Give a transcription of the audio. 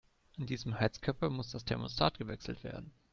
An diesem Heizkörper muss das Thermostat gewechselt werden.